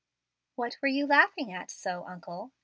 "What were you laughing at so, uncle?"